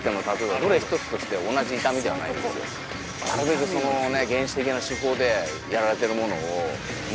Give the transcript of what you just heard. なるべくそのね